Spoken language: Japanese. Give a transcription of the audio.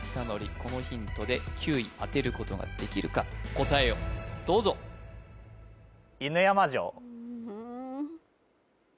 このヒントで９位当てることができるか答えをどうぞ犬山城